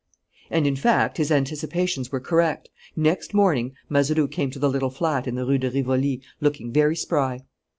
And in fact his anticipations were correct. Next morning Mazeroux came to the little flat in the Rue de Rivoli looking very spry.